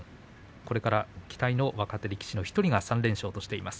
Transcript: これから期待の若手力士の１人が３連勝としています。